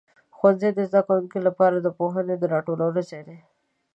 ښوونځي د زده کوونکو لپاره د پوهنې د راټولو ځای دی.